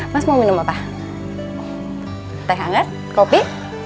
mas mau minum apa teh hangat kopi